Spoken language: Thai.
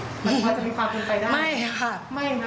มันว่าจะมีความคุณภัยได้ไม่ค่ะ